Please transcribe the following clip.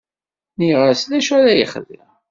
Nniɣ-as d acu ara yexdem.